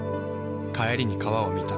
帰りに川を見た。